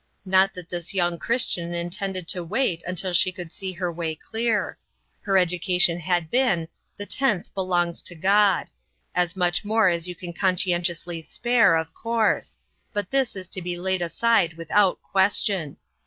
Not that this young Christian intended to wait until she could see her way clear. Her education had been, The tenth belongs to God. As much more as you can con scientiously spare, of course ; but this is to be laid aside without question.